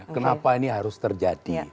kenapa ini harus terjadi